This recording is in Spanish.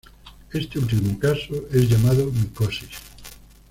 Este último caso es llamado micosis.